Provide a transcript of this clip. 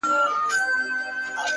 لكه د دوو جنـــــــگ-